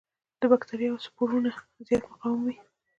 د بکټریاوو سپورونه زیات مقاوم دي.